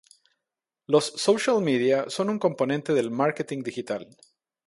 Los "social media" son un componente del marketing digital.